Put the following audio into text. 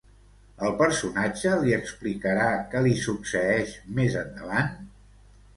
El personatge li explicarà què li succeeix més endavant?